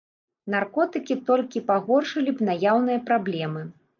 Наркотыкі толькі пагоршылі б наяўныя праблемы.